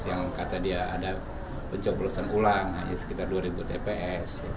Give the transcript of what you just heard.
yang kata dia ada pencoblosan ulang hanya sekitar dua ribu tps